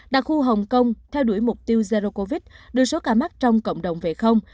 đặc khu hồng kông theo đuổi mục tiêu zero covid đưa số ca mắc trong cộng đồng về không